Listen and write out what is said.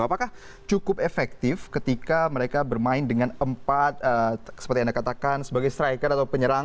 apakah cukup efektif ketika mereka bermain dengan empat seperti anda katakan sebagai striker atau penyerang